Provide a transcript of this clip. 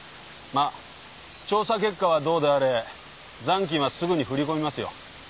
まあ調査結果はどうであれ残金はすぐに振り込みますよ。